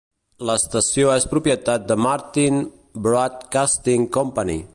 L'estació és propietat de Martin Broadcasting Company.